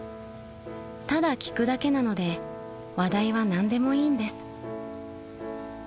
［ただ聞くだけなので話題は何でもいいんです］